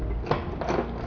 nah seperti ini